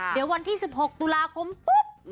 เดี๋ยววันที่๑๖ตุลาคมปุ๊บ